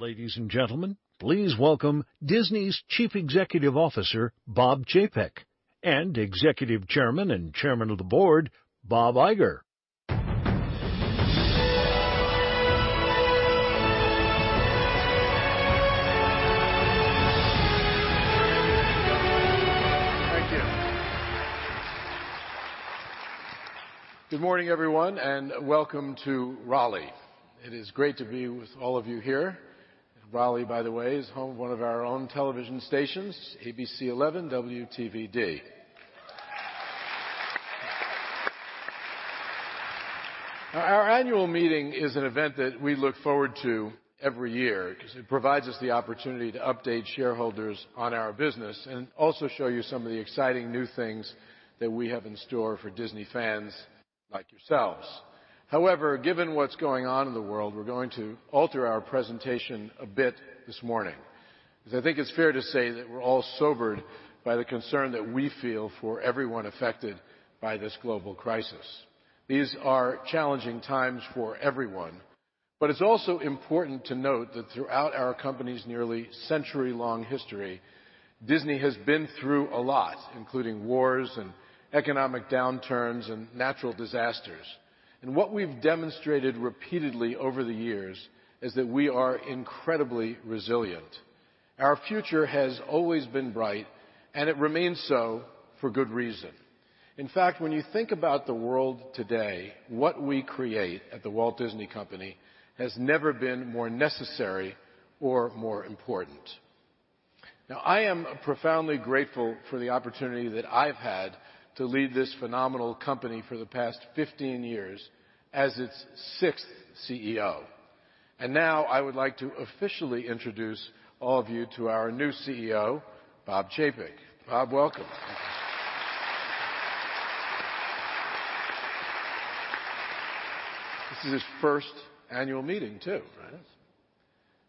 Ladies and gentlemen, please welcome Disney's Chief Executive Officer, Bob Chapek, and Executive Chairman and Chairman of the Board, Bob Iger. Thank you. Good morning, everyone, and welcome to Raleigh. It is great to be with all of you here. Raleigh, by the way, is home to one of our own television stations, ABC11 WTVD. Our annual meeting is an event that we look forward to every year because it provides us the opportunity to update shareholders on our business and also show you some of the exciting new things that we have in store for Disney fans like yourselves. However, given what's going on in the world, we're going to alter our presentation a bit this morning because I think it's fair to say that we're all sobered by the concern that we feel for everyone affected by this global crisis. These are challenging times for everyone, but it's also important to note that throughout our company's nearly century-long history, Disney has been through a lot, including wars and economic downturns and natural disasters. What we've demonstrated repeatedly over the years is that we are incredibly resilient. Our future has always been bright, and it remains so for good reason. In fact, when you think about the world today, what we create at The Walt Disney Company has never been more necessary or more important. Now, I am profoundly grateful for the opportunity that I've had to lead this phenomenal company for the past 15 years as its sixth CEO. Now I would like to officially introduce all of you to our new CEO, Bob Chapek. Bob, welcome. Thank you. This is his first annual meeting too. It is.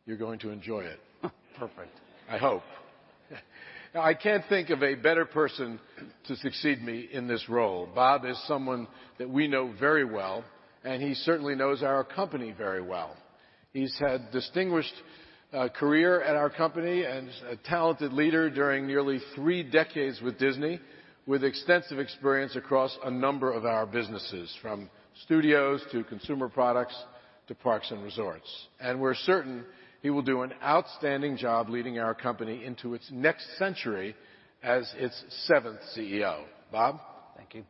You're going to enjoy it. Perfect. I hope. I can't think of a better person to succeed me in this role. Bob is someone that we know very well, and he certainly knows our company very well. He's had a distinguished career at our company and is a talented leader during nearly three decades with Disney, with extensive experience across a number of our businesses, from studios to consumer products to parks and resorts. We're certain he will do an outstanding job leading our company into its next century as its seventh CEO. Bob. Thank you.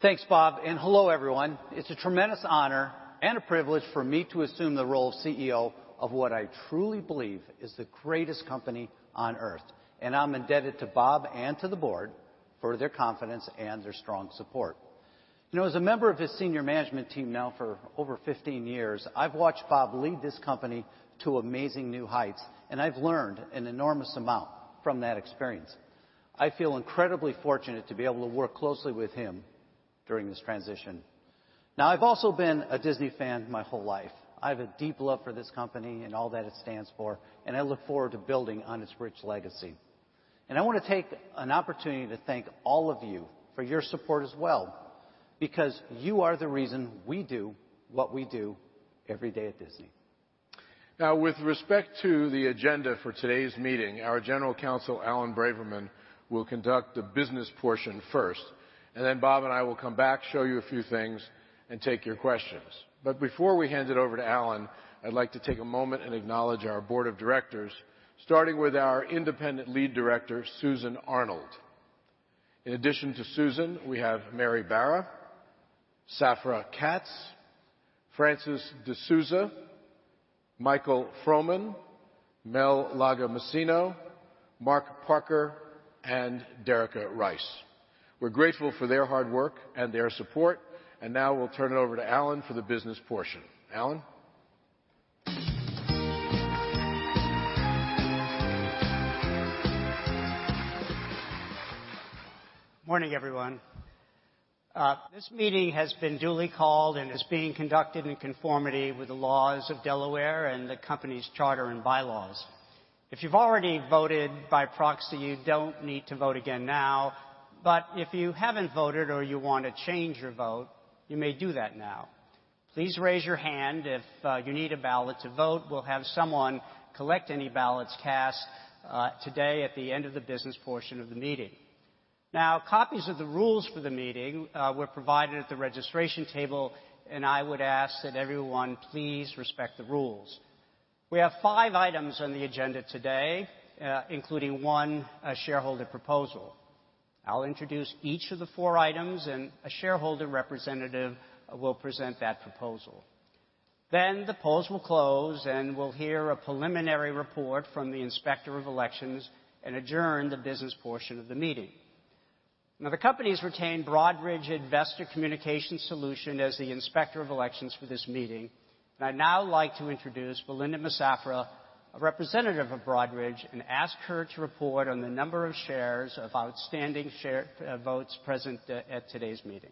Thanks, Bob, and hello, everyone. It's a tremendous honor and a privilege for me to assume the role of CEO of what I truly believe is the greatest company on earth. I'm indebted to Bob and to the board for their confidence and their strong support. As a member of his senior management team now for over 15 years, I've watched Bob lead this company to amazing new heights, and I've learned an enormous amount from that experience. I feel incredibly fortunate to be able to work closely with him during this transition. I've also been a Disney fan my whole life. I have a deep love for this company and all that it stands for, and I look forward to building on its rich legacy. I want to take an opportunity to thank all of you for your support as well, because you are the reason we do what we do every day at Disney. With respect to the agenda for today's meeting, our general counsel, Alan Braverman, will conduct the business portion first, and then Bob and I will come back, show you a few things, and take your questions. Before we hand it over to Alan, I'd like to take a moment and acknowledge our board of directors, starting with our independent lead director, Susan Arnold. In addition to Susan, we have Mary Barra, Safra Catz, Francis deSouza, Michael Froman, Mel Lagomasino, Mark Parker, and Derica Rice. We're grateful for their hard work and their support, now we'll turn it over to Alan for the business portion. Alan. Morning, everyone. This meeting has been duly called and is being conducted in conformity with the laws of Delaware and the company's charter and bylaws. If you've already voted by proxy, you don't need to vote again now, but if you haven't voted or you want to change your vote, you may do that now. Please raise your hand if you need a ballot to vote. We'll have someone collect any ballots cast today at the end of the business portion of the meeting. Now, copies of the rules for the meeting were provided at the registration table, and I would ask that everyone please respect the rules. We have five items on the agenda today, including one shareholder proposal. I'll introduce each of the four items, and a shareholder representative will present that proposal. The polls will close, and we'll hear a preliminary report from the Inspector of Elections and adjourn the business portion of the meeting. Now, the company's retained Broadridge Investor Communication Solutions as the Inspector of Elections for this meeting. I'd now like to introduce Belinda Massafra a representative of Broadridge, and ask her to report on the number of shares of outstanding votes present at today's meeting.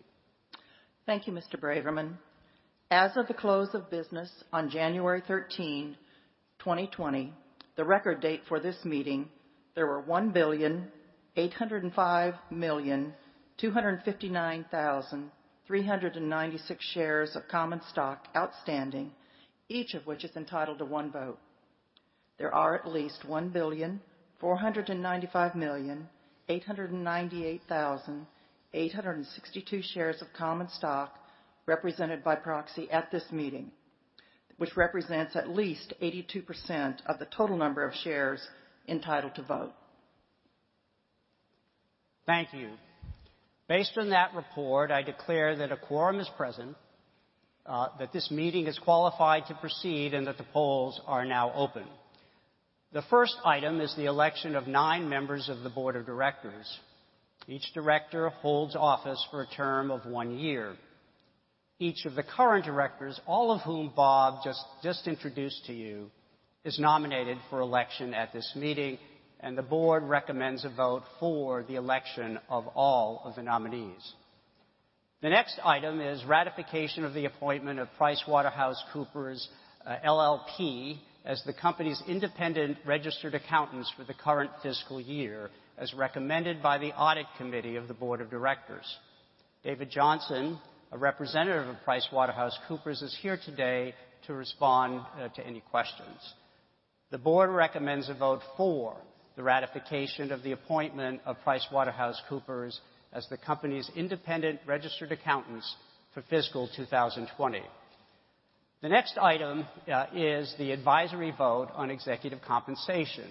Thank you, Mr. Braverman. As of the close of business on January 13th. 2020, the record date for this meeting, there were 1,805,259,396 shares of common stock outstanding, each of which is entitled to one vote. There are at least 1,495,898,862 shares of common stock represented by proxy at this meeting, which represents at least 82% of the total number of shares entitled to vote. Thank you. Based on that report, I declare that a quorum is present, that this meeting is qualified to proceed, and that the polls are now open. The first item is the election of nine members of the board of directors. Each director holds office for a term of one year. Each of the current directors, all of whom Bob just introduced to you, is nominated for election at this meeting, and the board recommends a vote for the election of all of the nominees. The next item is ratification of the appointment of PricewaterhouseCoopers LLP as the company's independent registered accountants for the current fiscal year, as recommended by the audit committee of the board of directors. David Johnson, a representative of PricewaterhouseCoopers, is here today to respond to any questions. The board recommends a vote for the ratification of the appointment of PricewaterhouseCoopers as the company's independent registered accountants for fiscal 2020. The next item is the advisory vote on executive compensation.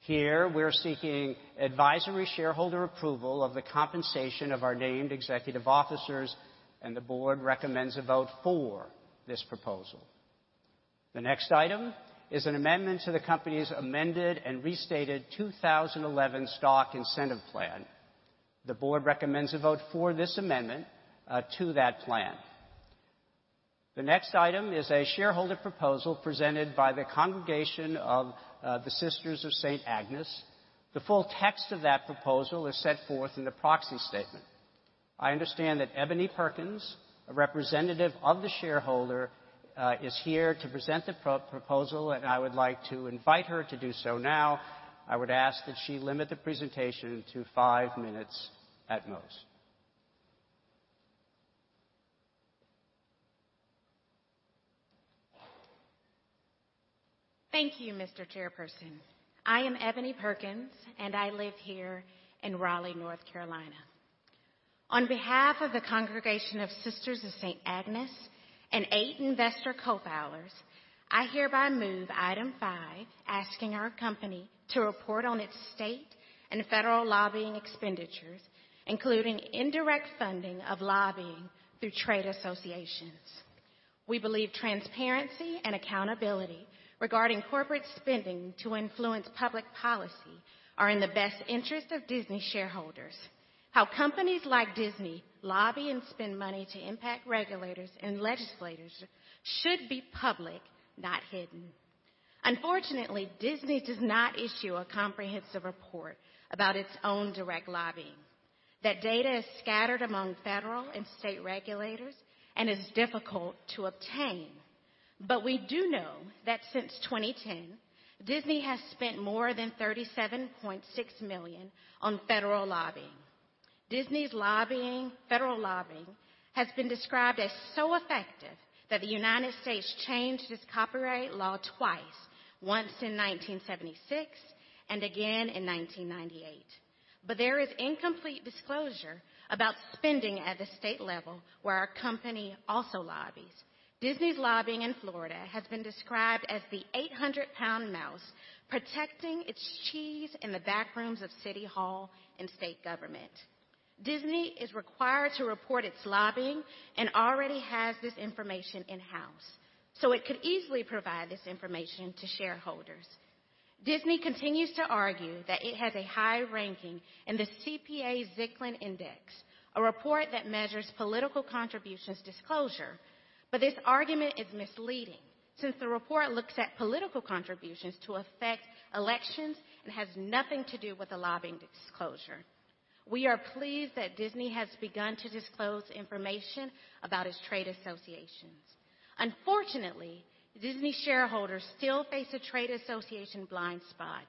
Here, we're seeking advisory shareholder approval of the compensation of our named executive officers, and the board recommends a vote for this proposal. The next item is an amendment to the company's amended and restated 2011 stock incentive plan. The board recommends a vote for this amendment to that plan. The next item is a shareholder proposal presented by the Congregation of the Sisters of St. Agnes. The full text of that proposal is set forth in the proxy statement. I understand that Ebony Perkins, a representative of the shareholder, is here to present the proposal, and I would like to invite her to do so now. I would ask that she limit the presentation to five minutes at most. Thank you, Mr. Chairperson. I am Ebony Perkins, and I live here in Raleigh, North Carolina. On behalf of the Congregation of Sisters of St. Agnes and eight investor co-filers, I hereby move item five, asking our company to report on its state and federal lobbying expenditures, including indirect funding of lobbying through trade associations. We believe transparency and accountability regarding corporate spending to influence public policy are in the best interest of Disney shareholders. How companies like Disney lobby and spend money to impact regulators and legislators should be public, not hidden. Unfortunately, Disney does not issue a comprehensive report about its own direct lobbying. That data is scattered among federal and state regulators and is difficult to obtain. We do know that since 2010, Disney has spent more than $37.6 million on federal lobbying. Disney's federal lobbying has been described as so effective that the U.S. changed its copyright law twice, once in 1976 and again in 1998. There is incomplete disclosure about spending at the state level, where our company also lobbies. Disney's lobbying in Florida has been described as the 800 lb mouse protecting its cheese in the back rooms of city hall and state government. Disney is required to report its lobbying and already has this information in-house, so it could easily provide this information to shareholders. Disney continues to argue that it has a high ranking in the CPA-Zicklin Index, a report that measures political contributions disclosure. This argument is misleading since the report looks at political contributions to affect elections and has nothing to do with the lobbying disclosure. We are pleased that Disney has begun to disclose information about its trade associations. Unfortunately, Disney shareholders still face a trade association blind spot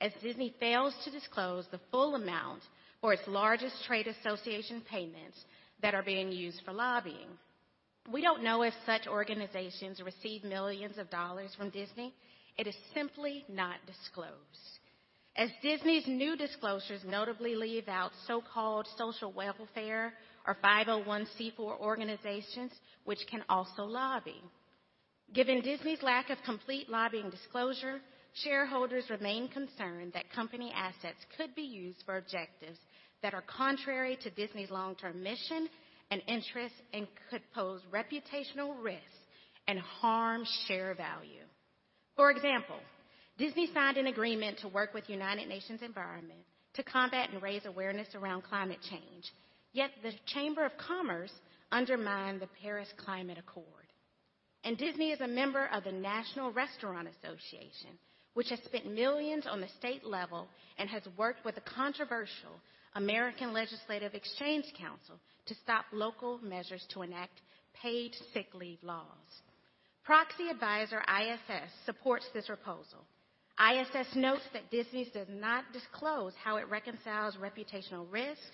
as Disney fails to disclose the full amount for its largest trade association payments that are being used for lobbying. We don't know if such organizations receive millions of dollars from Disney. It is simply not disclosed. As Disney's new disclosures notably leave out so-called social welfare or 501(c)(4) organizations, which can also lobby. Given Disney's lack of complete lobbying disclosure, shareholders remain concerned that company assets could be used for objectives that are contrary to Disney's long-term mission and interests and could pose reputational risks and harm share value. For example, Disney signed an agreement to work with United Nations Environment to combat and raise awareness around climate change. The Chamber of Commerce undermined the Paris Climate Accord. Disney is a member of the National Restaurant Association, which has spent millions on the state level and has worked with the controversial American Legislative Exchange Council to stop local measures to enact paid sick leave laws. Proxy advisor ISS supports this proposal. ISS notes that Disney does not disclose how it reconciles reputational risks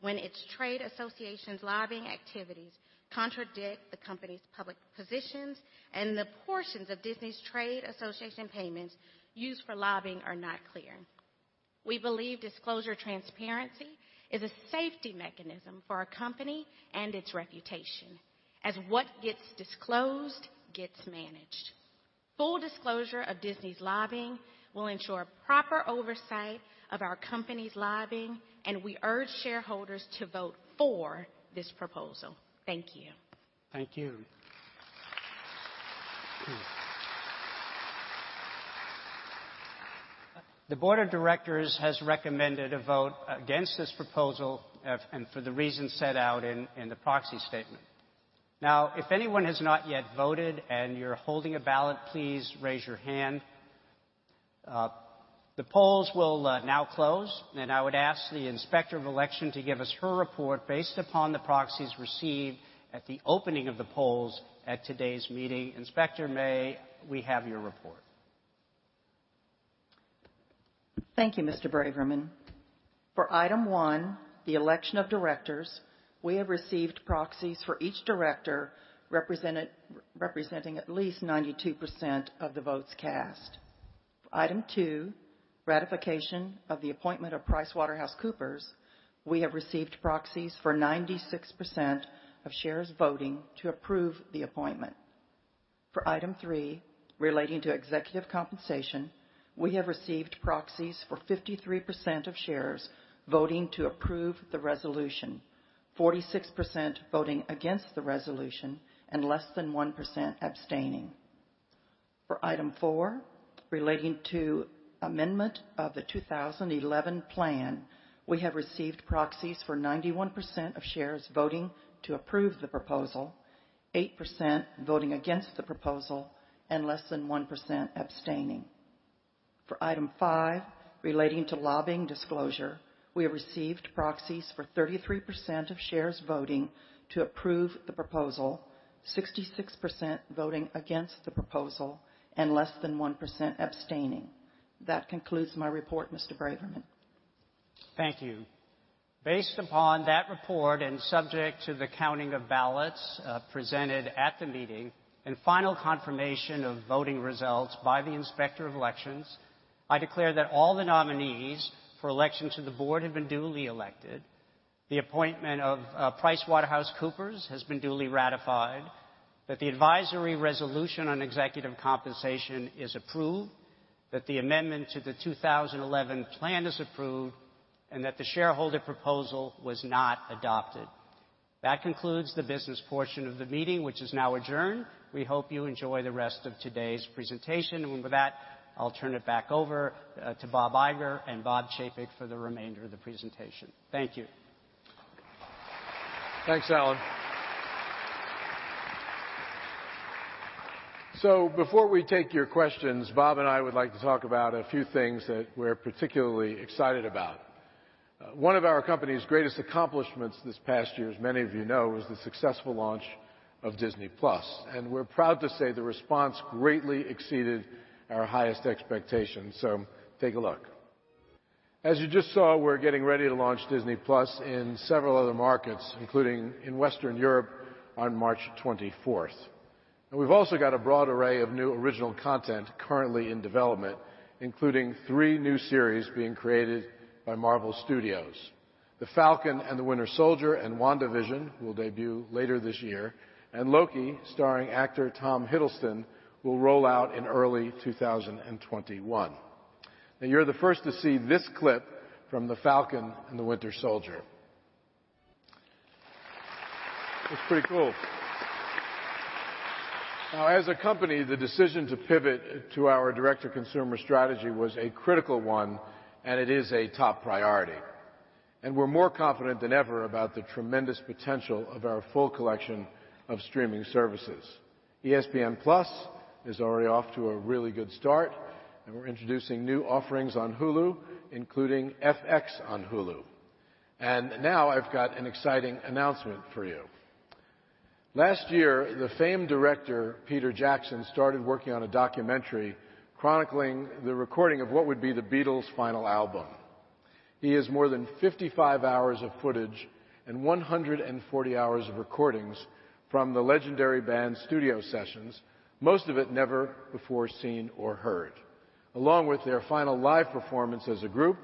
when its trade association's lobbying activities contradict the company's public positions, and the portions of Disney's trade association payments used for lobbying are not clear. We believe disclosure transparency is a safety mechanism for a company and its reputation, as what gets disclosed gets managed. Full disclosure of Disney's lobbying will ensure proper oversight of our company's lobbying, and we urge shareholders to vote for this proposal. Thank you. Thank you. The board of directors has recommended a vote against this proposal for the reasons set out in the proxy statement. Now, if anyone has not yet voted and you're holding a ballot, please raise your hand. The polls will now close. I would ask the Inspector of Election to give us her report based upon the proxies received at the opening of the polls at today's meeting. Inspector, may we have your report? Thank you, Mr. Braverman. For item one, the election of directors, we have received proxies for each director representing at least 92% of the votes cast. For item two, ratification of the appointment of PricewaterhouseCoopers, we have received proxies for 96% of shares voting to approve the appointment. For item three, relating to executive compensation, we have received proxies for 53% of shares voting to approve the resolution, 46% voting against the resolution, and less than 1% abstaining. For item four, relating to amendment of the 2011 plan, we have received proxies for 91% of shares voting to approve the proposal, 8% voting against the proposal, and less than 1% abstaining. For item five, relating to lobbying disclosure, we have received proxies for 33% of shares voting to approve the proposal, 66% voting against the proposal, and less than 1% abstaining. That concludes my report, Mr. Braverman. Thank you. Based upon that report, and subject to the counting of ballots presented at the meeting and final confirmation of voting results by the inspector of elections, I declare that all the nominees for election to the board have been duly elected, the appointment of PricewaterhouseCoopers has been duly ratified, that the advisory resolution on executive compensation is approved, that the amendment to the 2011 plan is approved, and that the shareholder proposal was not adopted. That concludes the business portion of the meeting, which is now adjourned. We hope you enjoy the rest of today's presentation. With that, I'll turn it back over to Bob Iger and Bob Chapek for the remainder of the presentation. Thank you. Thanks, Alan. Before we take your questions, Bob and I would like to talk about a few things that we're particularly excited about. One of our company's greatest accomplishments this past year, as many of you know, was the successful launch of Disney+. We're proud to say the response greatly exceeded our highest expectations. Take a look. As you just saw, we're getting ready to launch Disney+ in several other markets, including in Western Europe on March 24th. We've also got a broad array of new original content currently in development, including three new series being created by Marvel Studios. "The Falcon and the Winter Soldier" and "WandaVision" will debut later this year, and "Loki," starring actor Tom Hiddleston, will roll out in early 2021. Now, you're the first to see this clip from "The Falcon and the Winter Soldier." It's pretty cool. Now, as a company, the decision to pivot to our direct-to-consumer strategy was a critical one, and it is a top priority. We're more confident than ever about the tremendous potential of our full collection of streaming services. ESPN+ is already off to a really good start, and we're introducing new offerings on Hulu, including FX on Hulu. Now I've got an exciting announcement for you. Last year, the famed director Peter Jackson started working on a documentary chronicling the recording of what would be the Beatles' final album. He has more than 55 hours of footage and 140 hours of recordings from the legendary band's studio sessions, most of it never before seen or heard, along with their final live performance as a group.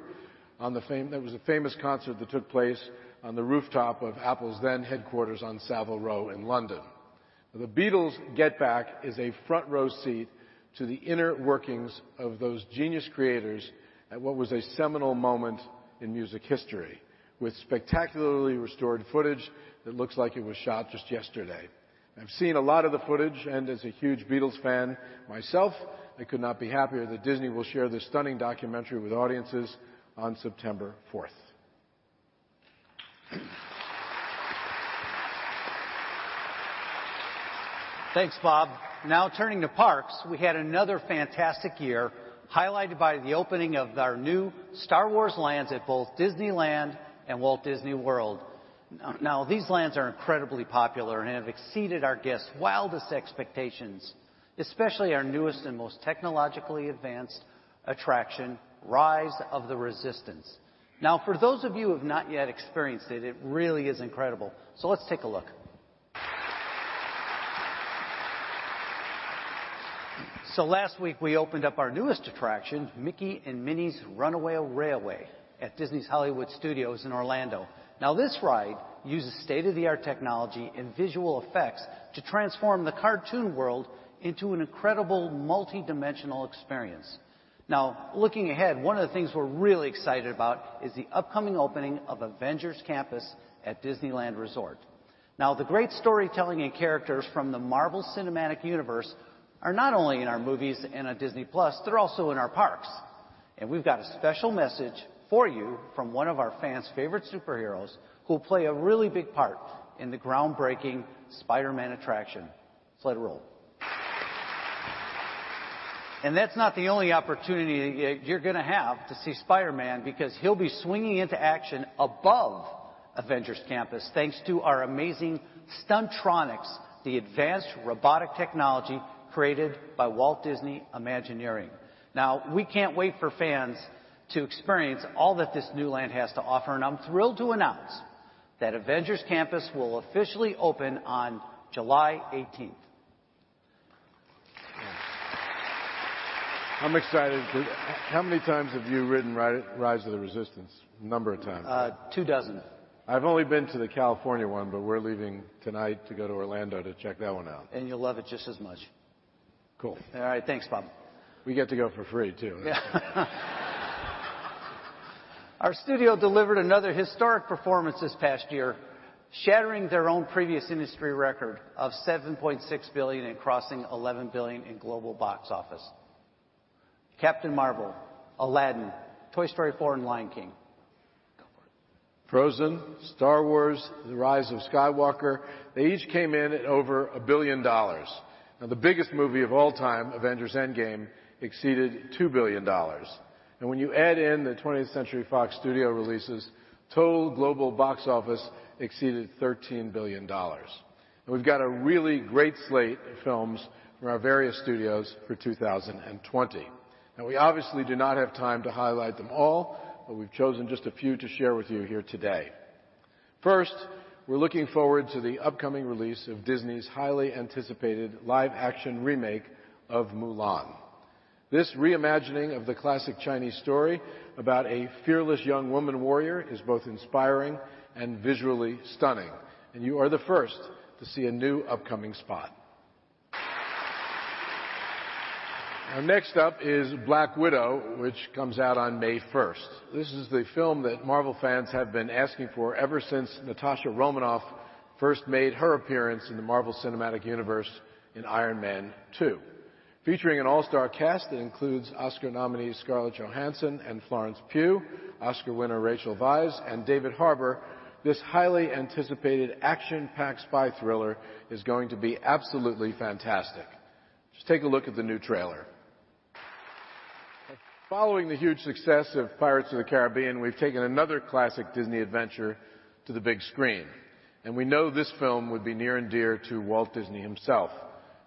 That was a famous concert that took place on the rooftop of Apple's then headquarters on Savile Row in London. The Beatles: Get Back is a front row seat to the inner workings of those genius creators at what was a seminal moment in music history, with spectacularly restored footage that looks like it was shot just yesterday. As a huge Beatles fan myself, I could not be happier that Disney will share this stunning documentary with audiences on September 4th. Thanks, Bob. Turning to parks, we had another fantastic year highlighted by the opening of our new Star Wars lands at both Disneyland and Walt Disney World. These lands are incredibly popular and have exceeded our guests' wildest expectations, especially our newest and most technologically advanced attraction, Star Wars: Rise of the Resistance. For those of you who have not yet experienced it really is incredible, so let's take a look. Last week we opened up our newest attraction, Mickey & Minnie's Runaway Railway at Disney's Hollywood Studios in Orlando. This ride uses state-of-the-art technology and visual effects to transform the cartoon world into an incredible multidimensional experience. Looking ahead, one of the things we're really excited about is the upcoming opening of Avengers Campus at Disneyland Resort. The great storytelling and characters from the Marvel Cinematic Universe are not only in our movies and on Disney+, they're also in our parks. We've got a special message for you from one of our fans' favorite superheroes who play a really big part in the groundbreaking Spider-Man attraction. Let's let it roll. That's not the only opportunity you're going to have to see Spider-Man because he'll be swinging into action above Avengers Campus, thanks to our amazing Stuntronics, the advanced robotic technology created by Walt Disney Imagineering. We can't wait for fans to experience all that this new land has to offer, and I'm thrilled to announce that Avengers Campus will officially open on July 18th. I'm excited. How many times have you ridden Star Wars: Rise of the Resistance? A number of times. Two dozen. I've only been to the California one, but we're leaving tonight to go to Orlando to check that one out. You'll love it just as much. Cool. All right. Thanks, Bob. We get to go for free, too. Yeah. Our studio delivered another historic performance this past year, shattering their own previous industry record of $7.6 billion and crossing $11 billion in global box office. Captain Marvel, Aladdin, Toy Story 4, and Lion King. Go for it. Frozen, Star Wars: The Rise of Skywalker, they each came in at over $1 billion. The biggest movie of all time, Avengers: Endgame, exceeded $2 billion. When you add in the 20th Century Studios releases, total global box office exceeded $13 billion. We've got a really great slate of films from our various studios for 2020. We obviously do not have time to highlight them all, we've chosen just a few to share with you here today. First, we're looking forward to the upcoming release of Disney's highly anticipated live-action remake of Mulan. This reimagining of the classic Chinese story about a fearless young woman warrior is both inspiring and visually stunning, you are the first to see a new upcoming spot. Next up is Black Widow, which comes out on May 1st. This is the film that Marvel fans have been asking for ever since Natasha Romanoff first made her appearance in the Marvel Cinematic Universe in Iron Man 2. Featuring an all-star cast that includes Oscar nominees Scarlett Johansson and Florence Pugh, Oscar winner Rachel Weisz, and David Harbour, this highly anticipated action-packed spy thriller is going to be absolutely fantastic. Just take a look at the new trailer. Following the huge success of Pirates of the Caribbean, we've taken another classic Disney adventure to the big screen, and we know this film would be near and dear to Walt Disney himself.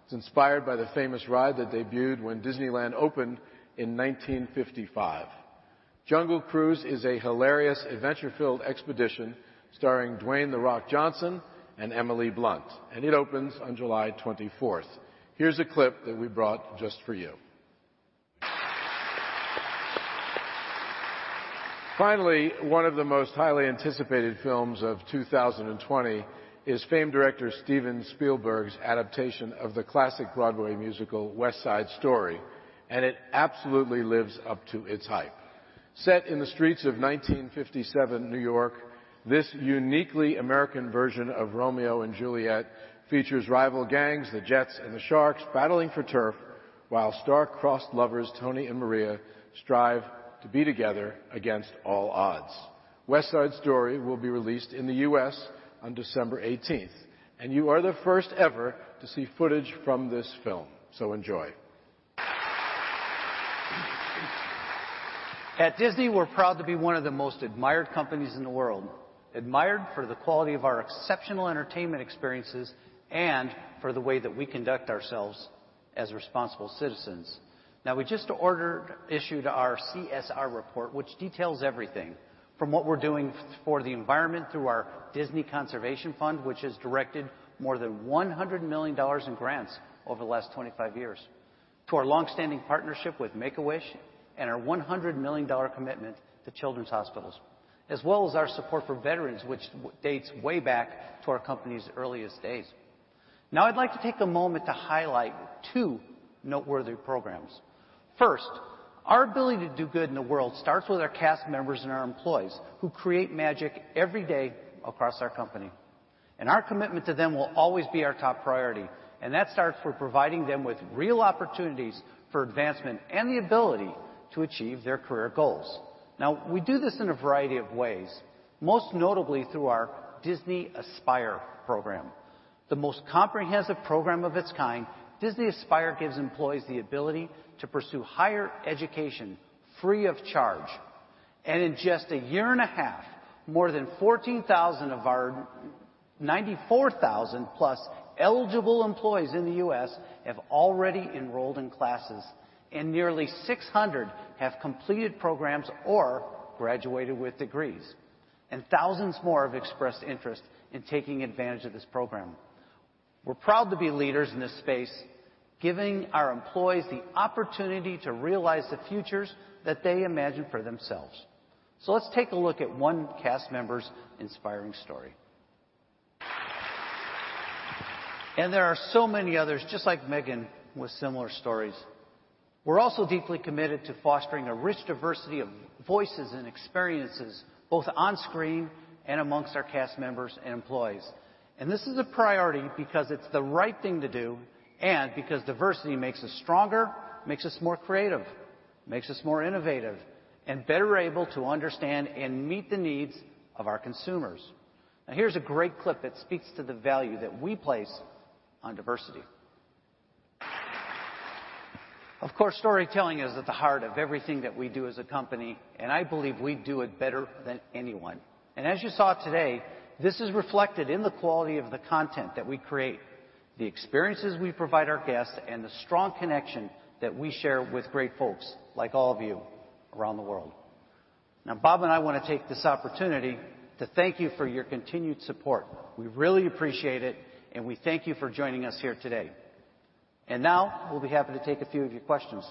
It's inspired by the famous ride that debuted when Disneyland opened in 1955. Jungle Cruise is a hilarious, adventure-filled expedition starring Dwayne The Rock Johnson and Emily Blunt, and it opens on July 24th. Here's a clip that we brought just for you. Finally, one of the most highly anticipated films of 2020 is famed director Steven Spielberg's adaptation of the classic Broadway musical, West Side Story, and it absolutely lives up to its hype. Set in the streets of 1957 New York, this uniquely American version of Romeo and Juliet features rival gangs, the Jets and the Sharks, battling for turf while star-crossed lovers Tony and Maria strive to be together against all odds. West Side Story will be released in the U.S. on December 18th, and you are the first ever to see footage from this film, so enjoy. At Disney, we're proud to be one of the most admired companies in the world. Admired for the quality of our exceptional entertainment experiences and for the way that we conduct ourselves as responsible citizens. We just issued our CSR report, which details everything, from what we're doing for the environment through our Disney Conservation Fund, which has directed more than $100 million in grants over the last 25 years, to our longstanding partnership with Make-A-Wish and our $100 million commitment to children's hospitals, as well as our support for veterans, which dates way back to our company's earliest days. I'd like to take a moment to highlight two noteworthy programs. First, our ability to do good in the world starts with our cast members and our employees who create magic every day across our company. Our commitment to them will always be our top priority, and that starts with providing them with real opportunities for advancement and the ability to achieve their career goals. Now, we do this in a variety of ways, most notably through our Disney Aspire program. The most comprehensive program of its kind, Disney Aspire gives employees the ability to pursue higher education free of charge. In just a year and a half, more than 14,000 of our 94,000+ eligible employees in the U.S. have already enrolled in classes, and nearly 600 have completed programs or graduated with degrees. Thousands more have expressed interest in taking advantage of this program. We're proud to be leaders in this space, giving our employees the opportunity to realize the futures that they imagine for themselves. Let's take a look at one cast member's inspiring story. There are so many others just like Megan with similar stories. We're also deeply committed to fostering a rich diversity of voices and experiences, both on screen and amongst our cast members and employees. This is a priority because it's the right thing to do and because diversity makes us stronger, makes us more creative, makes us more innovative, and better able to understand and meet the needs of our consumers. Here's a great clip that speaks to the value that we place on diversity. Of course, storytelling is at the heart of everything that we do as a company, and I believe we do it better than anyone. As you saw today, this is reflected in the quality of the content that we create, the experiences we provide our guests, and the strong connection that we share with great folks like all of you around the world. Bob and I want to take this opportunity to thank you for your continued support. We really appreciate it, and we thank you for joining us here today. Now, we'll be happy to take a few of your questions.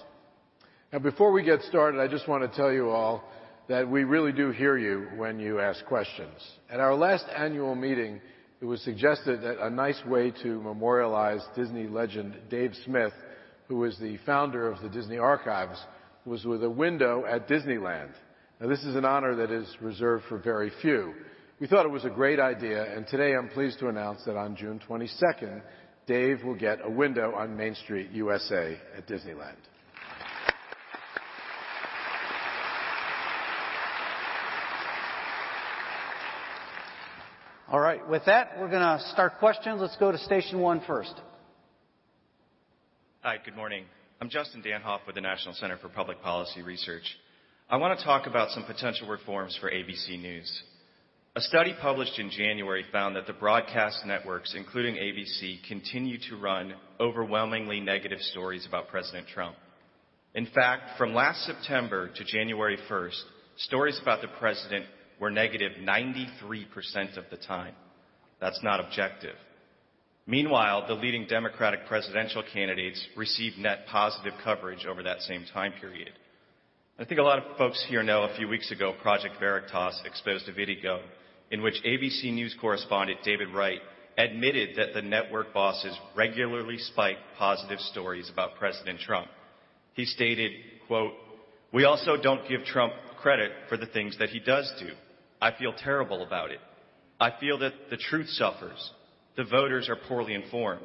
Before we get started, I just want to tell you all that we really do hear you when you ask questions. At our last annual meeting, it was suggested that a nice way to memorialize Disney legend Dave Smith, who was the founder of the Disney Archives, was with a window at Disneyland. This is an honor that is reserved for very few. We thought it was a great idea, and today I'm pleased to announce that on June 22nd, Dave will get a window on Main Street, U.S.A. at Disneyland. All right. With that, we're going to start questions. Let's go to station one first. Hi, good morning. I'm Justin Danhof with the National Center for Public Policy Research. I want to talk about some potential reforms for ABC News. A study published in January found that the broadcast networks, including ABC, continue to run overwhelmingly negative stories about President Trump. In fact, from last September to January 1st, stories about the President were negative 93% of the time. That's not objective. Meanwhile, the leading Democratic presidential candidates received net positive coverage over that same time period. I think a lot of folks here know a few weeks ago, Project Veritas exposed a video in which ABC News correspondent David Wright admitted that the network bosses regularly spike positive stories about President Trump. He stated, quote, "We also don't give Trump credit for the things that he does do. I feel terrible about it. I feel that the truth suffers. The voters are poorly informed.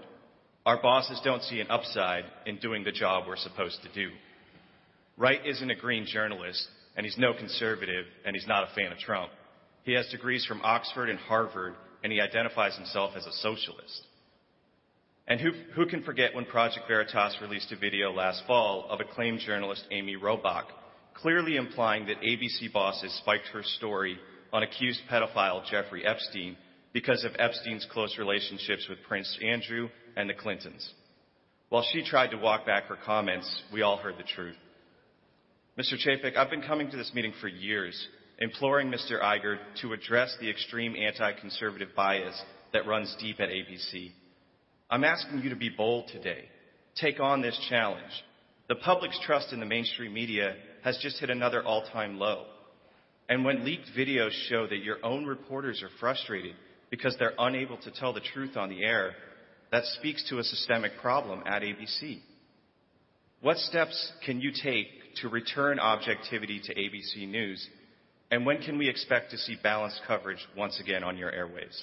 Our bosses don't see an upside in doing the job we're supposed to do. Wright isn't a green journalist. He's no conservative. He's not a fan of Trump. He has degrees from Oxford and Harvard. He identifies himself as a socialist. Who can forget when Project Veritas released a video last fall of acclaimed journalist Amy Robach clearly implying that ABC bosses spiked her story on accused pedophile Jeffrey Epstein because of Epstein's close relationships with Prince Andrew and the Clintons. While she tried to walk back her comments, we all heard the truth. Mr. Chapek, I've been coming to this meeting for years, imploring Mr. Iger to address the extreme anti-conservative bias that runs deep at ABC. I'm asking you to be bold today. Take on this challenge. The public's trust in the mainstream media has just hit another all-time low. When leaked videos show that your own reporters are frustrated because they're unable to tell the truth on the air, that speaks to a systemic problem at ABC. What steps can you take to return objectivity to ABC News, when can we expect to see balanced coverage once again on your airwaves?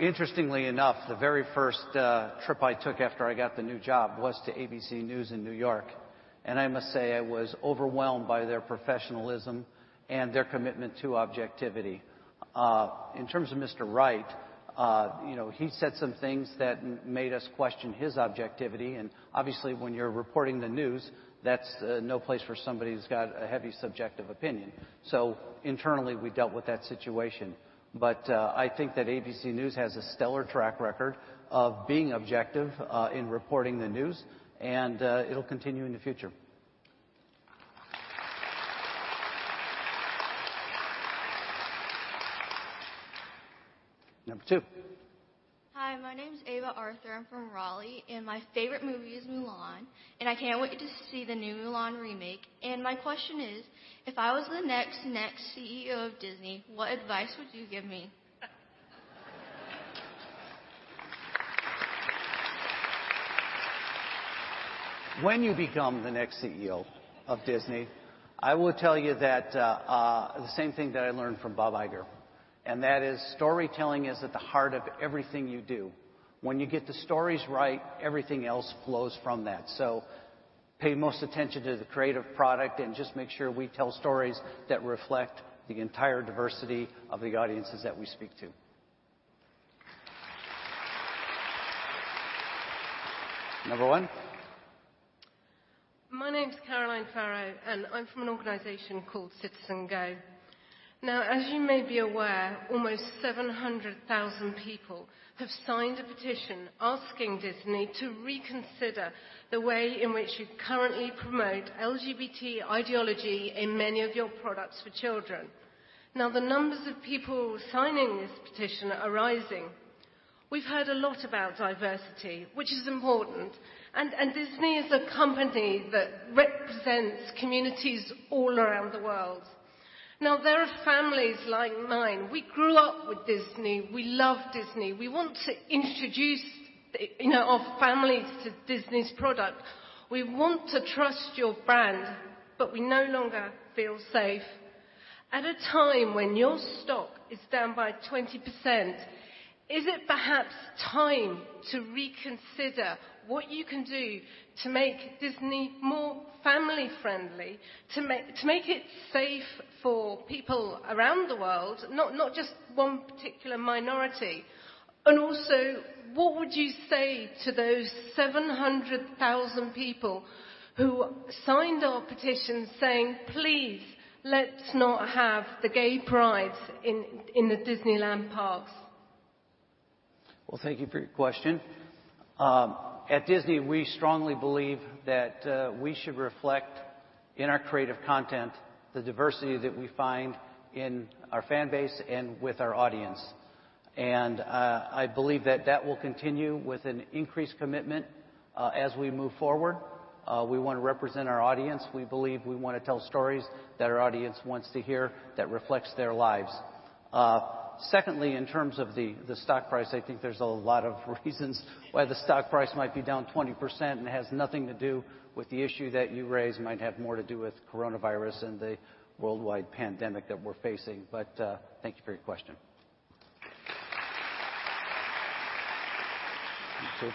Interestingly enough, the very first trip I took after I got the new job was to ABC News in New York, and I must say I was overwhelmed by their professionalism and their commitment to objectivity. In terms of Mr. Wright, he said some things that made us question his objectivity, and obviously when you're reporting the news, that's no place for somebody who's got a heavy subjective opinion. Internally, we dealt with that situation. I think that ABC News has a stellar track record of being objective in reporting the news, and it'll continue in the future. Number two. Hi, my name's Ava Arthur. I'm from Raleigh, and my favorite movie is Mulan, and I can't wait to see the new Mulan remake. My question is, if I was the next CEO of Disney, what advice would you give me? When you become the next CEO of Disney, I will tell you the same thing that I learned from Bob Iger, and that is storytelling is at the heart of everything you do. When you get the stories right, everything else flows from that. Pay most attention to the creative product and just make sure we tell stories that reflect the entire diversity of the audiences that we speak to. Another one. My name's Caroline Farrow, and I'm from an organization called CitizenGO. As you may be aware, almost 700,000 people have signed a petition asking Disney to reconsider the way in which you currently promote LGBT ideology in many of your products for children. The numbers of people signing this petition are rising. We've heard a lot about diversity, which is important, and Disney is a company that represents communities all around the world. There are families like mine. We grew up with Disney. We love Disney. We want to introduce our families to Disney's product. We want to trust your brand, but we no longer feel safe. At a time when your stock is down by 20%, is it perhaps time to reconsider what you can do to make Disney more family-friendly, to make it safe for people around the world, not just one particular minority? Also, what would you say to those 700,000 people who signed our petition saying, "Please, let's not have the gay prides in the Disneyland parks"? Thank you for your question. At Disney, we strongly believe that we should reflect in our creative content the diversity that we find in our fan base and with our audience. I believe that that will continue with an increased commitment as we move forward. We want to represent our audience. We believe we want to tell stories that our audience wants to hear that reflects their lives. Secondly, in terms of the stock price, I think there's a lot of reasons why the stock price might be down 20% and has nothing to do with the issue that you raised. It might have more to do with coronavirus and the worldwide pandemic that we're facing. Thank you for your question. You, sir.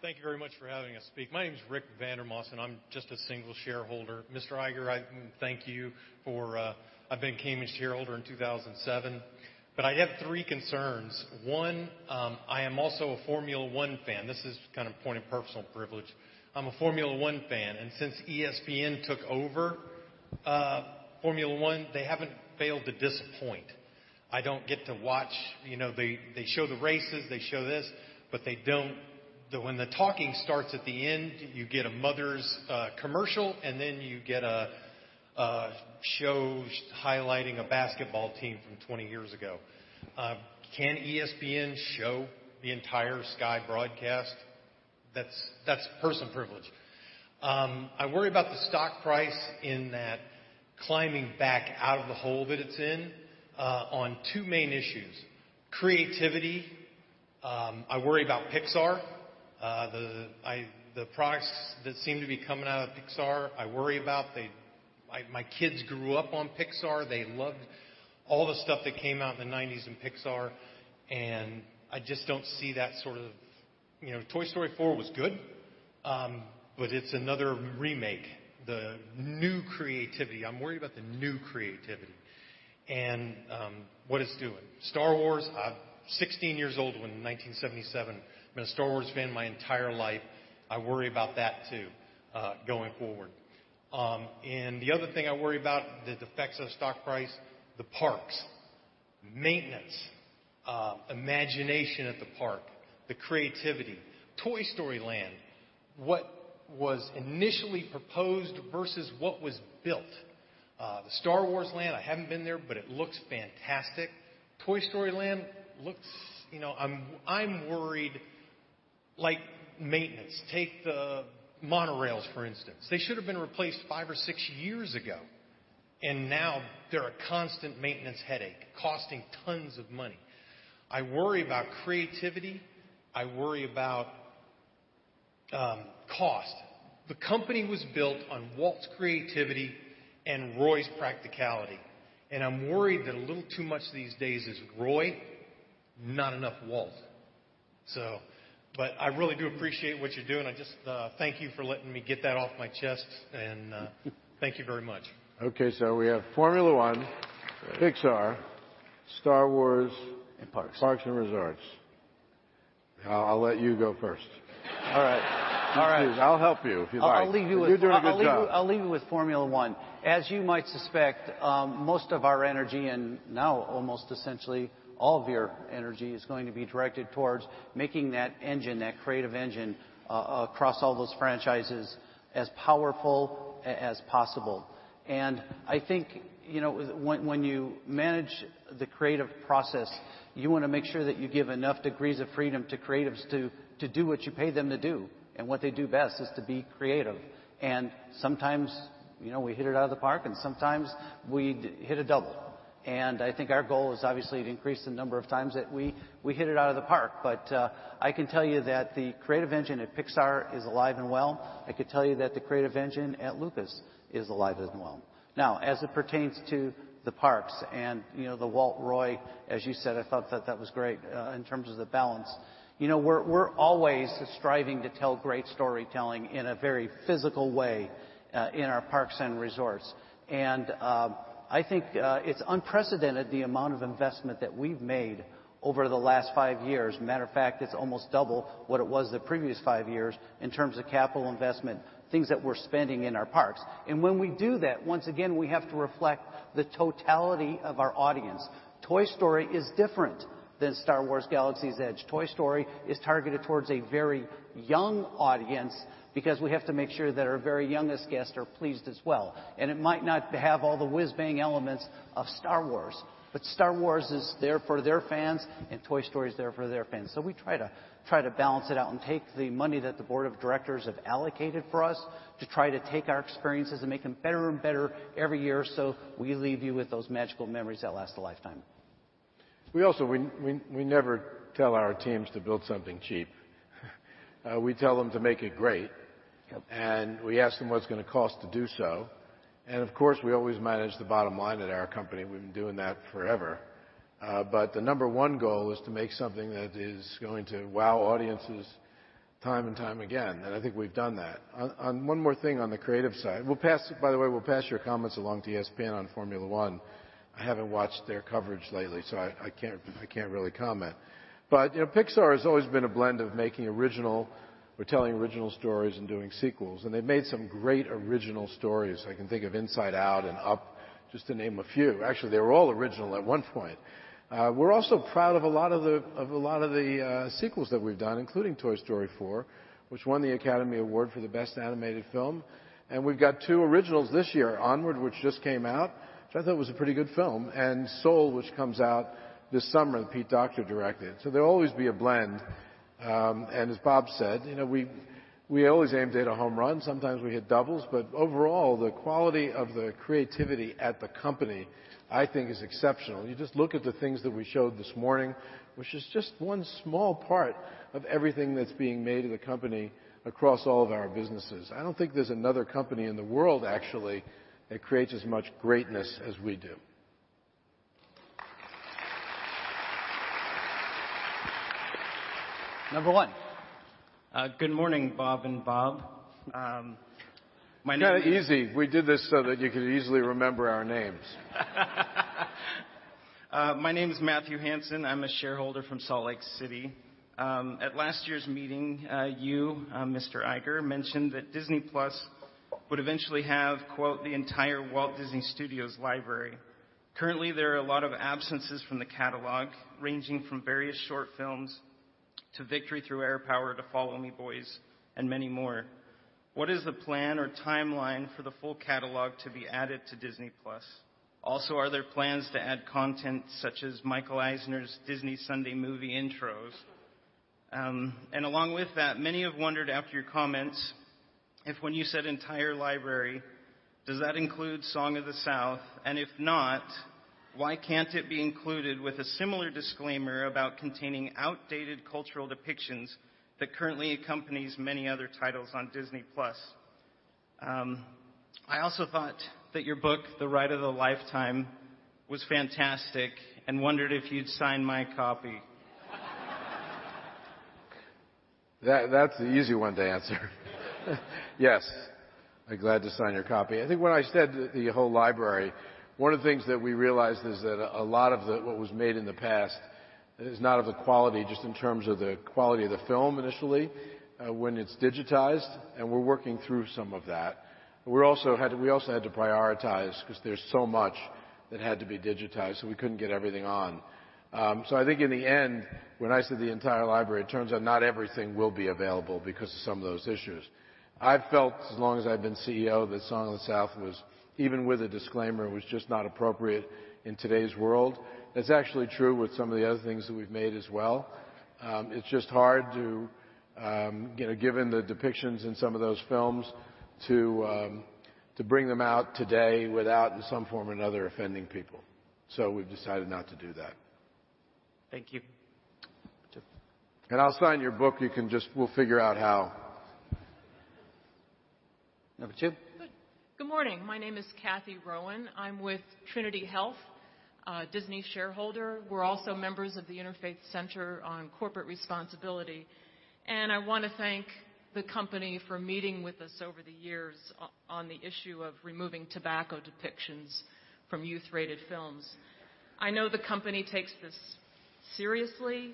Thank you very much for having us speak. My name's Rick Vandermossen, I'm just a single shareholder. Mr. Iger, thank you. I became a shareholder in 2007. I have three concerns. One, I am also a Formula 1 fan. This is kind of a point of personal privilege. I'm a Formula 1 fan. Since ESPN took over Formula 1, they haven't failed to disappoint. I don't get to watch. They show the races, they show this. When the talking starts at the end, you get a mother's commercial. You get shows highlighting a basketball team from 20 years ago. Can ESPN show the entire Sky broadcast? That's personal privilege. I worry about the stock price in that climbing back out of the hole that it's in on two main issues. Creativity, I worry about Pixar. The products that seem to be coming out of Pixar, I worry about. My kids grew up on Pixar. They loved all the stuff that came out in the 1990s in Pixar, and I just don't see that sort of Toy Story 4 was good, but it's another remake. The new creativity, I'm worried about the new creativity and what it's doing. Star Wars, I was 16 years old when, in 1977, I've been a Star Wars fan my entire life. I worry about that, too, going forward. The other thing I worry about that affects the stock price, the parks. Maintenance, imagination at the park, the creativity. Toy Story Land, what was initially proposed versus what was built. The Star Wars Land, I haven't been there, but it looks fantastic. Toy Story Land looks I'm worried like maintenance. Take the monorails, for instance. They should've been replaced five or six years ago, and now they're a constant maintenance headache, costing tons of money. I worry about creativity. I worry about cost. The company was built on Walt's creativity and Roy's practicality, and I'm worried that a little too much these days is Roy, not enough Walt. I really do appreciate what you're doing. Thank you for letting me get that off my chest, and thank you very much. Okay, we have Formula 1, Pixar, Star Wars- Parks. Parks and Resorts. I'll let you go first. All right. I'll help you if you like. I'll leave you with. You're doing a good job. I'll leave you with Formula 1. As you might suspect, most of our energy, and now almost essentially all of your energy, is going to be directed towards making that engine, that creative engine across all those franchises, as powerful as possible. I think when you manage the creative process, you want to make sure that you give enough degrees of freedom to creatives to do what you pay them to do. What they do best is to be creative. Sometimes we hit it out of the park and sometimes we hit a double. I think our goal is obviously to increase the number of times that we hit it out of the park. I can tell you that the creative engine at Pixar is alive and well. I could tell you that the creative engine at Lucas is alive and well. As it pertains to the parks and the Walt Roy, as you said, I thought that that was great in terms of the balance. We're always striving to tell great storytelling in a very physical way in our parks and resorts. I think it's unprecedented the amount of investment that we've made over the last five years. Matter of fact, it's almost double what it was the previous five years in terms of capital investment, things that we're spending in our parks. When we do that, once again, we have to reflect the totality of our audience. Toy Story is different than Star Wars: Galaxy's Edge. Toy Story is targeted towards a very young audience because we have to make sure that our very youngest guests are pleased as well. It might not have all the whiz-bang elements of Star Wars. Star Wars is there for their fans, and Toy Story is there for their fans. We try to balance it out and take the money that the board of directors have allocated for us to try to take our experiences and make them better and better every year, so we leave you with those magical memories that last a lifetime. We never tell our teams to build something cheap. We tell them to make it great. Yep. We ask them what it's going to cost to do so. Of course, we always manage the bottom line at our company. We've been doing that forever. The number one goal is to make something that is going to wow audiences time and time again, and I think we've done that. One more thing on the creative side. By the way, we'll pass your comments along to ESPN on Formula 1. I haven't watched their coverage lately, so I can't really comment. Pixar has always been a blend of making original or telling original stories and doing sequels, and they've made some great original stories. I can think of Inside Out and Up, just to name a few. Actually, they were all original at one point. We're also proud of a lot of the sequels that we've done, including Toy Story 4, which won the Academy Award for the best animated film. We've got two originals this year, Onward, which just came out, which I thought was a pretty good film, and Soul, which comes out this summer that Pete Docter directed. There'll always be a blend. As Bob said, we always aim to hit a home run. Sometimes we hit doubles, but overall, the quality of the creativity at the company, I think, is exceptional. You just look at the things that we showed this morning, which is just one small part of everything that's being made in the company across all of our businesses. I don't think there's another company in the world, actually, that creates as much greatness as we do. Another one. Good morning, Bob and Bob. My name is. Kind of easy. We did this so that you could easily remember our names. My name is Matthew Hansen. I'm a shareholder from Salt Lake City. At last year's meeting, you, Mr. Iger, mentioned that Disney+ would eventually have "the entire Walt Disney Studios library." Currently, there are a lot of absences from the catalog, ranging from various short films to Victory Through Air Power, to Follow Me, Boys!, and many more. What is the plan or timeline for the full catalog to be added to Disney+? Are there plans to add content such as Michael Eisner's Disney Sunday Movie intros? Along with that, many have wondered after your comments if when you said entire library, does that include Song of the South? If not, why can't it be included with a similar disclaimer about containing outdated cultural depictions that currently accompanies many other titles on Disney+? I also thought that your book, "The Ride of a Lifetime" was fantastic and wondered if you'd sign my copy. That's the easy one to answer. Yes, I'd glad to sign your copy. I think when I said the whole library, one of the things that we realized is that a lot of what was made in the past is not of the quality, just in terms of the quality of the film initially when it's digitized, and we're working through some of that. We also had to prioritize because there's so much that had to be digitized, so we couldn't get everything on. I think in the end, when I said the entire library, it turns out not everything will be available because of some of those issues. I've felt as long as I've been CEO that Song of the South, even with a disclaimer, was just not appropriate in today's world. That's actually true with some of the other things that we've made as well. It's just hard to given the depictions in some of those films to bring them out today without, in some form or another, offending people. We've decided not to do that. Thank you. I'll sign your book. We'll figure out how. Number two. Good morning. My name is Cathy Rowan. I'm with Trinity Health, a Disney shareholder. We're also members of the Interfaith Center on Corporate Responsibility, I want to thank the company for meeting with us over the years on the issue of removing tobacco depictions from youth-rated films. I know the company takes this seriously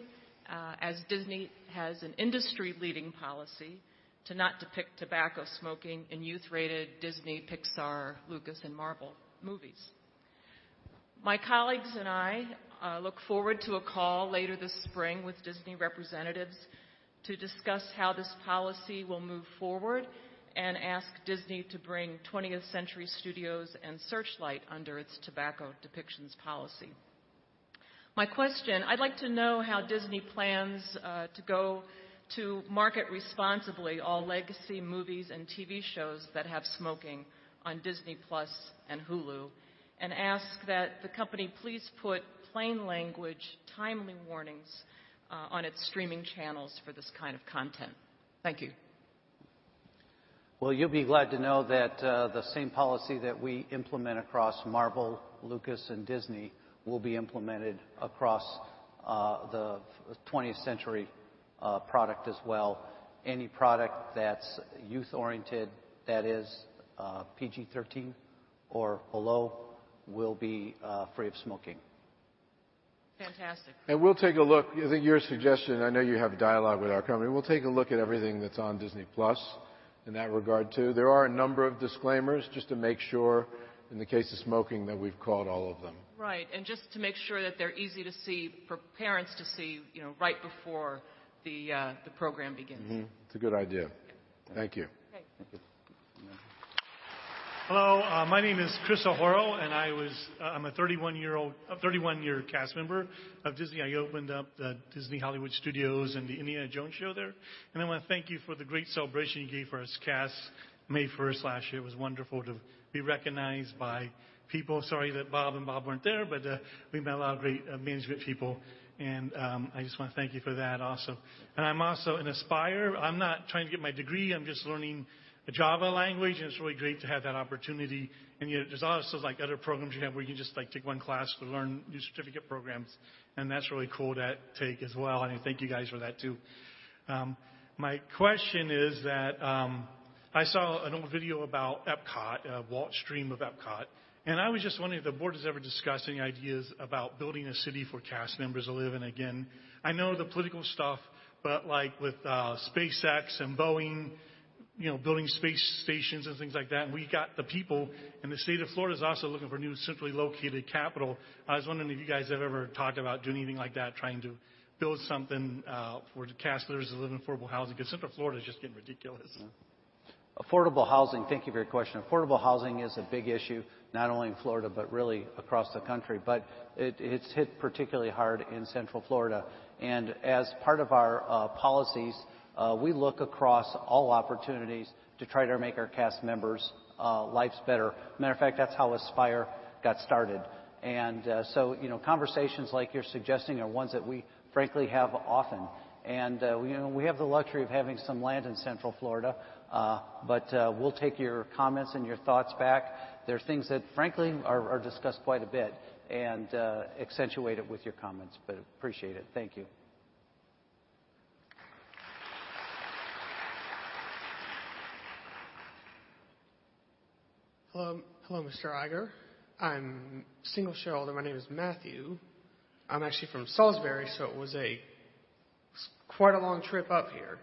as Disney has an industry-leading policy to not depict tobacco smoking in youth-rated Disney, Pixar, Lucas, and Marvel movies. My colleagues and I look forward to a call later this spring with Disney representatives to discuss how this policy will move forward and ask Disney to bring 20th Century Studios and Searchlight under its tobacco depictions policy. My question, I'd like to know how Disney plans to go to market responsibly all legacy movies and TV shows that have smoking on Disney+ and Hulu, and ask that the company please put plain language, timely warnings on its streaming channels for this kind of content. Thank you. Well, you'll be glad to know that the same policy that we implement across Marvel, Lucas, and Disney will be implemented across the 20th Century product as well. Any product that's youth-oriented, that is PG-13 or below, will be free of smoking. Fantastic. We'll take a look. I think your suggestion, I know you have dialogue with our company. We'll take a look at everything that's on Disney+ in that regard, too. There are a number of disclaimers, just to make sure, in the case of smoking, that we've caught all of them. Right. Just to make sure that they're easy for parents to see right before the program begins. It's a good idea. Thank you. Okay. Hello. My name is Chris O'Horro, and I'm a 31-year cast member of Disney. I opened up Disney's Hollywood Studios and the Indiana Jones show there. I want to thank you for the great celebration you gave for us casts May 1st last year. It was wonderful to be recognized by people. Sorry that Bob and Bob weren't there, but we met a lot of great management people, and I just want to thank you for that also. I'm also an Aspire. I'm not trying to get my degree, I'm just learning the Java language, and it's really great to have that opportunity. There's also other programs you have where you can just take one class to learn new certificate programs, and that's really cool, that take as well, and thank you guys for that, too. My question is that I saw an old video about EPCOT, a Walt dream of EPCOT, and I was just wondering if the board has ever discussed any ideas about building a city for cast members to live in again. I know the political stuff, but like with SpaceX and Boeing building space stations and things like that, and we got the people, and the state of Florida is also looking for a new centrally located capital. I was wondering if you guys have ever talked about doing anything like that, trying to build something for the cast members to live in affordable housing, because Central Florida is just getting ridiculous. Affordable housing. Thank you for your question. Affordable housing is a big issue, not only in Florida, but really across the country. It's hit particularly hard in Central Florida. As part of our policies, we look across all opportunities to try to make our Cast Members' lives better. Matter of fact, that's how Aspire got started. Conversations like you're suggesting are ones that we frankly have often. We have the luxury of having some land in Central Florida. We'll take your comments and your thoughts back. They're things that, frankly, are discussed quite a bit and accentuated with your comments, but appreciate it. Thank you. Hello, Mr. Iger. I'm a single shareholder. My name is Matthew. I'm actually from Salisbury, so it was quite a long trip up here.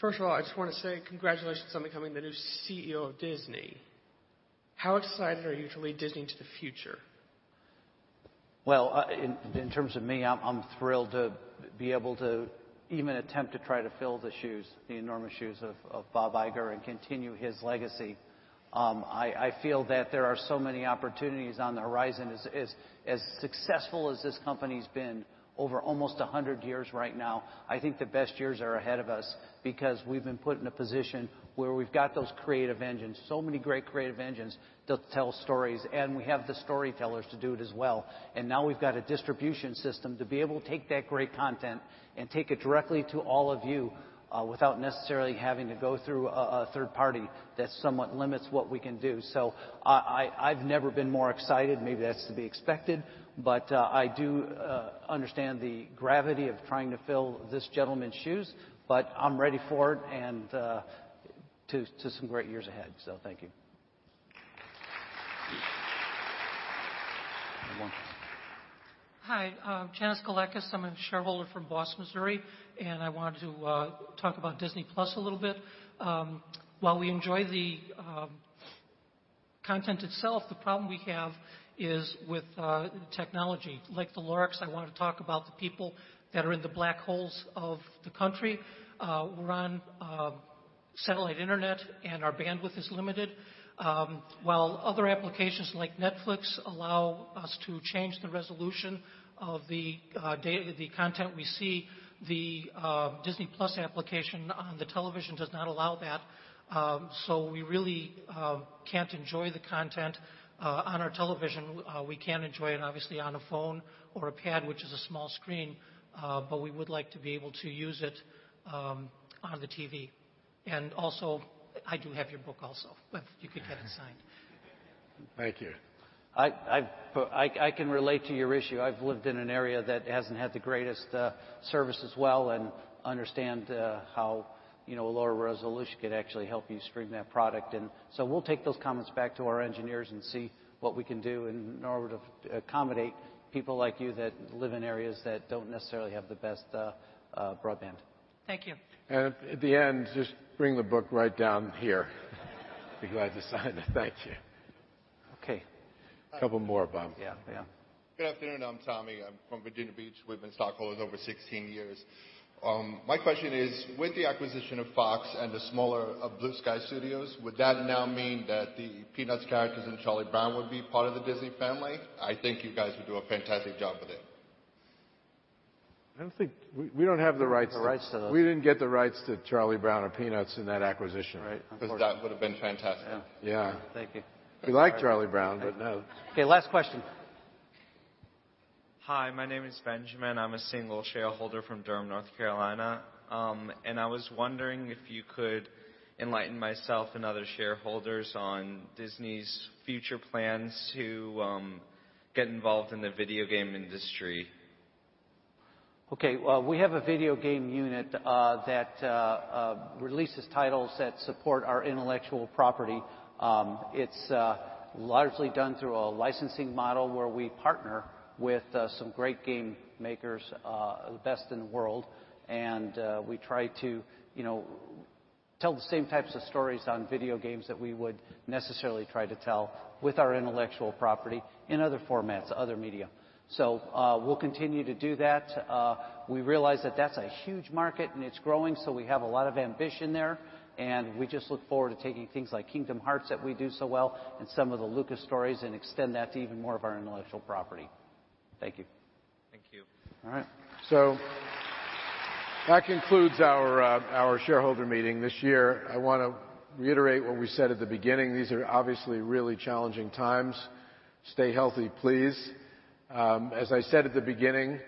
First of all, I just want to say congratulations on becoming the new CEO of Disney. How excited are you to lead Disney into the future? Well, in terms of me, I'm thrilled to be able to even attempt to try to fill the enormous shoes of Bob Iger and continue his legacy. I feel that there are so many opportunities on the horizon. As successful as this company's been over almost 100 years right now, I think the best years are ahead of us because we've been put in a position where we've got those creative engines, so many great creative engines to tell stories, and we have the storytellers to do it as well. Now we've got a distribution system to be able to take that great content and take it directly to all of you without necessarily having to go through a third party that somewhat limits what we can do. I've never been more excited. Maybe that's to be expected. I do understand the gravity of trying to fill this gentleman's shoes. I'm ready for it and to some great years ahead. Thank you. Another one. Hi. Janice Galekas. I'm a shareholder from Boss, Missouri, and I wanted to talk about Disney+ a little bit. While we enjoy the content itself, the problem we have is with technology. Like The Lorax, I want to talk about the people that are in the black holes of the country. We're on satellite internet, and our bandwidth is limited. While other applications like Netflix allow us to change the resolution of the content we see, the Disney+ application on the television does not allow that, so we really can't enjoy the content on our television. We can enjoy it obviously on a phone or a pad, which is a small screen, but we would like to be able to use it on the TV. Also, I do have your book also. If you could get it signed. Thank you. I can relate to your issue. I've lived in an area that hasn't had the greatest service as well and understand how a lower resolution could actually help you stream that product in. We'll take those comments back to our engineers and see what we can do in order to accommodate people like you that live in areas that don't necessarily have the best broadband. Thank you. At the end, just bring the book right down here. Be glad to sign it. Thank you. Okay. A couple more, Bob. Yeah. Good afternoon. I'm Tommy. I'm from Virginia Beach. We've been stockholders over 16 years. My question is, with the acquisition of Fox and the smaller of Blue Sky Studios, would that now mean that the Peanuts characters and Charlie Brown would be part of the Disney family? I think you guys would do a fantastic job with it. I don't think we don't have the rights to those. We don't have the rights to those. We didn't get the rights to Charlie Brown or Peanuts in that acquisition. Right. Unfortunately. That would've been fantastic. Yeah. Yeah. Thank you. We like Charlie Brown, but no. Okay, last question. Hi, my name is Benjamin. I'm a single shareholder from Durham, North Carolina. I was wondering if you could enlighten myself and other shareholders on Disney's future plans to get involved in the video game industry. Okay. Well, we have a video game unit that releases titles that support our intellectual property. It's largely done through a licensing model where we partner with some great game makers, the best in the world. We try to tell the same types of stories on video games that we would necessarily try to tell with our intellectual property in other formats, other media. We'll continue to do that. We realize that that's a huge market and it's growing, so we have a lot of ambition there, and we just look forward to taking things like Kingdom Hearts that we do so well, and some of the Lucas stories, and extend that to even more of our intellectual property. Thank you. Thank you. All right. That concludes our shareholder meeting this year. I want to reiterate what we said at the beginning. These are obviously really challenging times. Stay healthy, please. As I said at the beginning,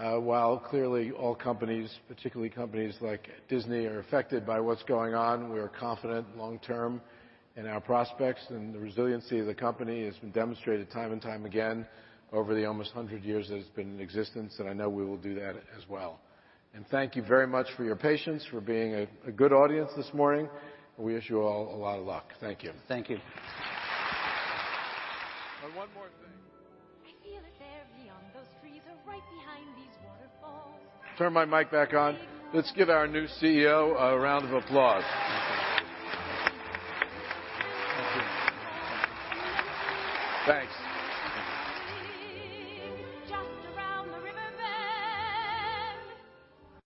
while clearly all companies, particularly companies like Disney, are affected by what's going on, we are confident long term in our prospects, and the resiliency of the company has been demonstrated time and time again over the almost 100 years that it's been in existence, and I know we will do that as well. Thank you very much for your patience, for being a good audience this morning. We wish you all a lot of luck. Thank you. Thank you. Oh, one more thing. Turn my mic back on. Let's give our new CEO a round of applause. Thank you. Thank you. Thanks.